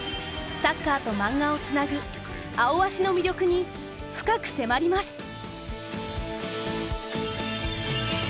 サッカーとマンガをつなぐ「アオアシ」の魅力に深く迫ります。